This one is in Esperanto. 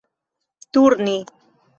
turni